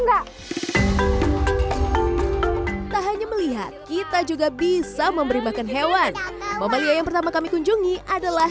enggak tak hanya melihat kita juga bisa memberi makan hewan mamalia yang pertama kami kunjungi adalah